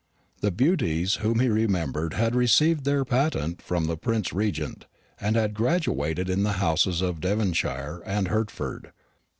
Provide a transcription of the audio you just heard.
The Beauties whom he remembered had received their patent from the Prince Regent, and had graduated in the houses of Devonshire and Hertford.